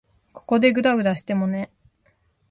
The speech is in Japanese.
ここでぐだぐだしてもね。